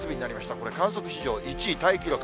これ、観測史上１位タイ記録。